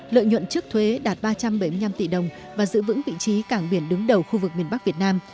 lợi nhuận trước thuế đạt ba trăm bảy mươi năm tỷ đồng và giữ vững vị trí cảng biển đứng đầu khu vực miền bắc việt nam